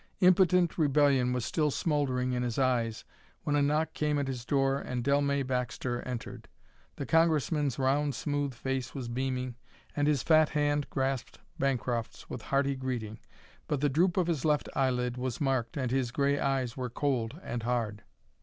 Impotent rebellion was still smouldering in his eyes when a knock came at his door and Dellmey Baxter entered. The Congressman's round, smooth face was beaming and his fat hand grasped Bancroft's with hearty greeting. But the droop of his left eyelid was marked and his gray eyes were cold and hard.